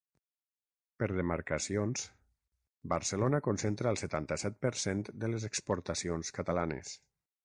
Per demarcacions, Barcelona concentra el setanta-set per cent de les exportacions catalanes.